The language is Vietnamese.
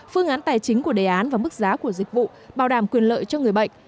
phương án tài chính của đề án và mức giá của dịch vụ bảo đảm quyền lợi cho người bệnh